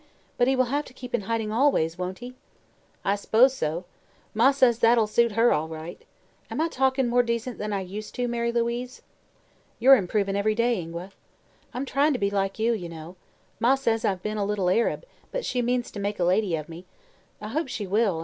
But he will have to keep in hiding always, won't he?" "I s'pose so. Ma says that'll suit her, all right. Am I talkin' more decent than I used to, Mary Louise?" "You're improving every day, Ingua." "I'm tryin' to be like you, you know. Ma says I've been a little Arab, but she means to make a lady of me. I hope she will.